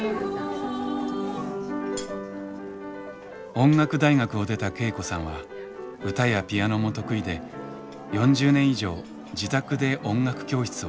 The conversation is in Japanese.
音楽大学を出た恵子さんは歌やピアノも得意で４０年以上自宅で音楽教室を開いていました。